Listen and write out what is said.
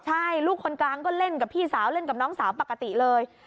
ใช่ลูกคนกลางก็เล่นกับพี่สาวเล่นกับน้องสาวปกติเลย